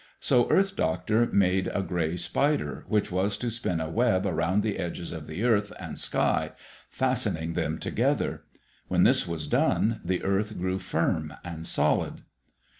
So Earth Doctor made a gray spider which was to spin a web around the edges of the earth and sky, fastening them together. When this was done, the earth grew firm and solid.